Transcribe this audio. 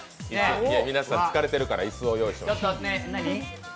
皆さん疲れてるから椅子を用意してます。